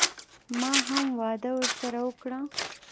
ما هم وعده ورسره وکړه.